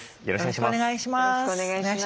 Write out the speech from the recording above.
よろしくお願いします。